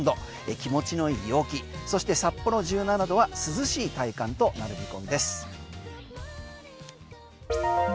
気持ちのいい陽気そして札幌は１７度涼しい体感となる見込みです。